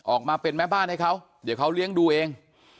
ออกมาเป็นแม่บ้านให้เขาเดี๋ยวเขาเลี้ยงดูเอง